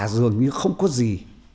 dường như không có gì